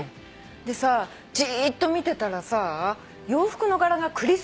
でさじーっと見てたらさ洋服の柄がクリスマス柄なんだよね。